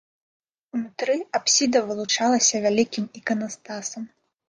Унутры апсіда вылучалася вялікім іканастасам.